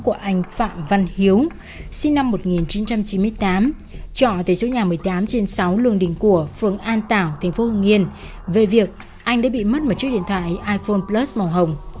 anh đã bị mất một chiếc điện thoại iphone plus màu hồng